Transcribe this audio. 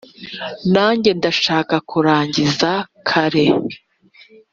Nanjye ndashaka kurangiza kare